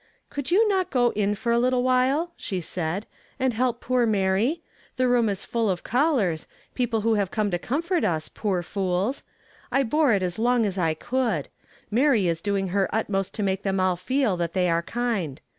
" Could you not go in for a little while," slie said, " and help poor Mary ? The room is full of callei s — people who have come to comfort us, poor fools! I bore it as long as I could. Mary is doing her utmost to make them all feel that they are kind.